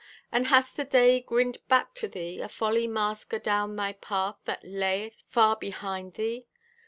And hast the day grinned back to thee, A folly mask adown thy path That layeth far behind thee?